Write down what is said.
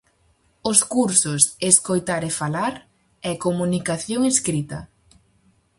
Os cursos: "Escoitar e falar" e "Comunicación escrita".